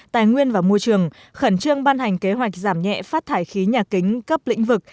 tài nguyên và môi trường khẩn trương ban hành kế hoạch giảm nhẹ phát thải khí nhà kính cấp lĩnh vực